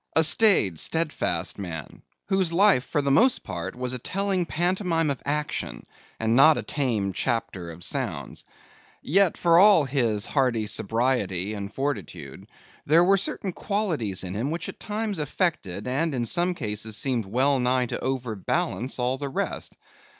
A staid, steadfast man, whose life for the most part was a telling pantomime of action, and not a tame chapter of sounds. Yet, for all his hardy sobriety and fortitude, there were certain qualities in him which at times affected, and in some cases seemed well nigh to overbalance all the rest.